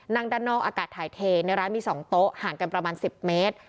นั่งด้านนอกอากาศถ่ายเทในร้านมี๒โต๊ะห่างกันประมาณ๑๐เมตร